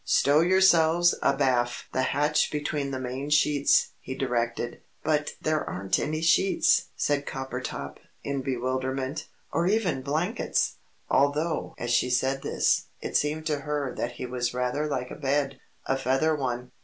"Stow yourselves abaft the hatch between the main sheets," he directed. "But there aren't any sheets!" said Coppertop, in bewilderment, "or even blankets!" although as she said this, it seemed to her that he was rather like a bed a feather one.